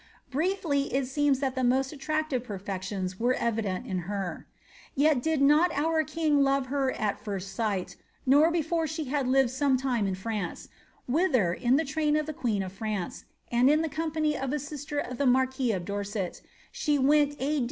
Briefly, it seems that the most attractive perfections were evident in her. Yet did not our king love her at first sight, nor before she had lived some time in France, whither, in the train of the queen of France, and in company of a sister of the marquis of Dorset, she went a.